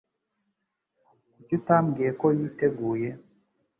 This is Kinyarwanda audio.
Kuki utambwiye ko yiteguye?